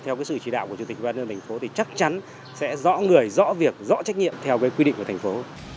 theo sự chỉ đạo của chủ tịch ubnd thành phố thì chắc chắn sẽ rõ người rõ việc rõ trách nhiệm theo quy định của thành phố